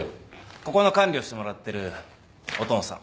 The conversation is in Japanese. ここの管理をしてもらってる音野さん。